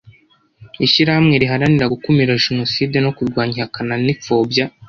ishyirahamwe riharanira gukumira jenoside no kurwanya ihakana n'ipfobya